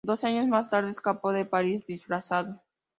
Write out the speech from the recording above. Dos años más tarde escapó de París disfrazado.